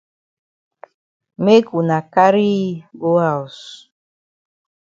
Make wuna carry yi go haus.